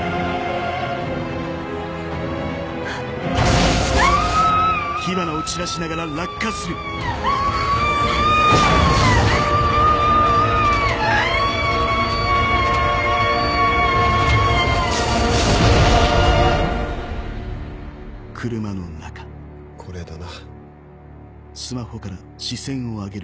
あぁ‼これだな。